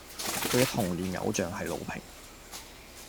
佢既童年偶像係魯平